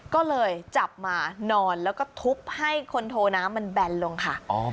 ก็เลยจับมานอนแล้วก็ทุบให้คนโทน้ำมันแบนลงค่ะ